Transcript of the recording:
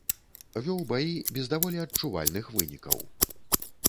Вёў баі без даволі адчувальных вынікаў.